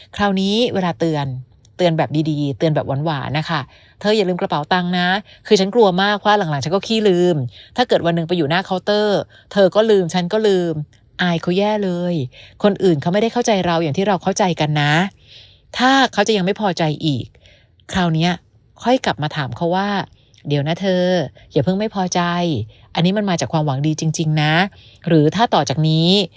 คราวนี้เวลาเตือนเตือนแบบดีเตือนแบบหวานนะคะเธออย่าลืมกระเป๋าตังค์นะคือฉันกลัวมากว่าหลังฉันก็ขี้ลืมถ้าเกิดวันหนึ่งไปอยู่หน้าเคาน์เตอร์เธอก็ลืมฉันก็ลืมอายเขาแย่เลยคนอื่นเขาไม่ได้เข้าใจเราอย่างที่เราเข้าใจกันนะถ้าเขาจะยังไม่พอใจอีกคราวนี้ค่อยกลับมาถามเขาว่าเดี๋ยวนะเธออย่าเพิ